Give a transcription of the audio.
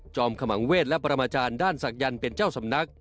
ขมังเวศและปรมาจารย์ด้านศักยันต์เป็นเจ้าสำนัก